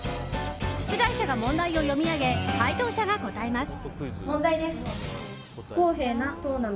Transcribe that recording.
出題者が問題を読み上げ解答者が答えます。